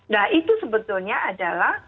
nah itu sebetulnya adalah